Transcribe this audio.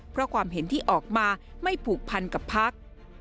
เพราะความเห็นที่ออกมาไม่ผูกพันกับพัก